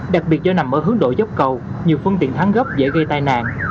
đặc biệt do nằm ở hướng độ dốc cầu nhiều phương tiện thắng gấp dễ gây tai nạn